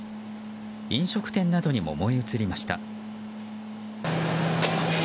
飲食店などにも燃え移りました。